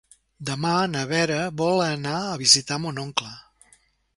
Demà na Vera vol anar a visitar mon oncle.